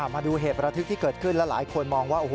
มาดูเหตุประทึกที่เกิดขึ้นแล้วหลายคนมองว่าโอ้โห